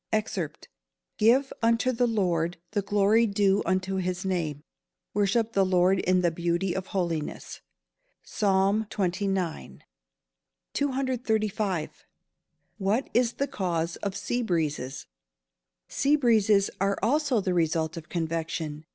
[Verse: "Give unto the Lord the glory due unto his name; worship the Lord in the beauty of holiness." PSALM XXIX.] 235. What is the cause of sea breezes? Sea breezes are also the result of convection.